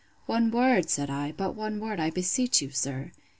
One word, said I; but one word, I beseech you, sir.